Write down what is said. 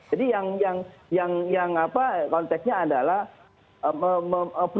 jadi yang konteksnya adalah mengutuk usulan dari ppw